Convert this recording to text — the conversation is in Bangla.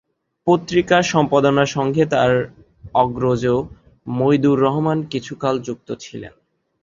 পত্রিকার সম্পাদনার সঙ্গে তার অগ্রজ মঈদ-উর-রহমান কিছুকাল যুক্ত ছিলেন।